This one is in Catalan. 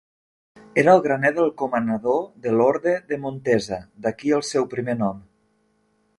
Era el graner del comanador de l'orde de Montesa, d'aquí el seu primer nom.